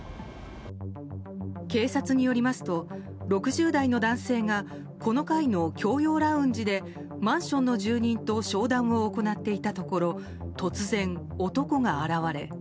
警察によりますと６０代の男性がこの階の共用ラウンジでマンションの住人と商談を行っていたところ突然、男が現れ。